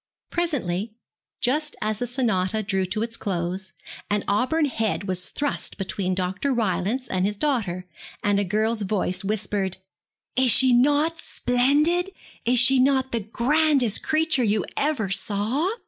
Presently, just as the sonata drew to its close, an auburn head was thrust between Dr. Rylance and his daughter, and a girl's voice whispered, 'Is she not splendid? Is she not the grandest creature you ever saw?'